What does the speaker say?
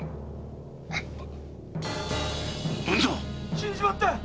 死んじまったよ！